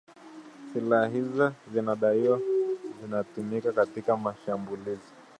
Silaha hizo zinadaiwa zilitumika katika mashambulizi